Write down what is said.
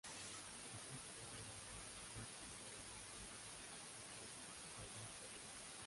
Egipto era el país clásico de refugio político por ser provincia romana.